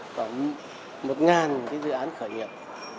còn một cái dự án khởi nghiệp